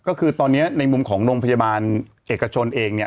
ก็คือตอนนี้ในมุมของโรงพยาบาลเอกชนเองเนี่ย